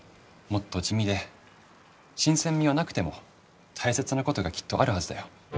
もっと地味で新鮮味はなくても大切なことがきっとあるはずだよ。